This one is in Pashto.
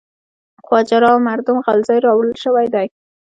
خواجه را مردم غلزی راوړل شوی دی.